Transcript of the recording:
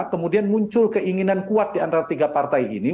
kemudian muncul keinginan kuat diantara tiga partai ini